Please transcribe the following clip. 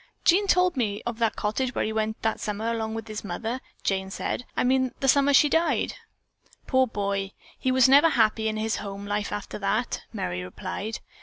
"Jean told me of that cottage where he went that summer, alone with his mother," Jane said. "I mean the summer she died." "Poor boy! He never was happy in his home life after that," Merry replied.